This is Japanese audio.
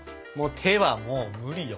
手はもう無理よ。